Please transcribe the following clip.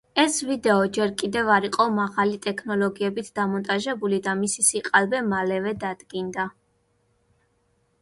ეს ვიდეო ჯერ კიდევ არ იყო მაღალი ტექნოლოგიებით დამონტაჟებული და მისი სიყალბე მალევე დადგინდა.